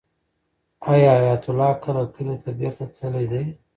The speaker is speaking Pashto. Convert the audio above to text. آیا حیات الله کله کلي ته بېرته تللی دی؟